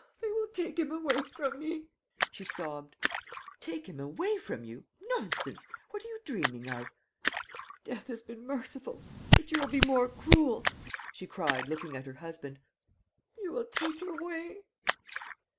"They will take him away from me!" she sobbed. "Take him away from you nonsense! What are you dreaming of?" "Death has been merciful; but you will be more cruel," she cried, looking at her husband. "You will take him away."